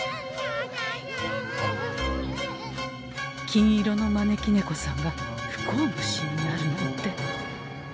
金色の招き猫さんが不幸虫になるなんて。